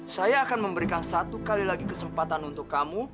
saya akan memberikan satu kali lagi kesempatan untuk kamu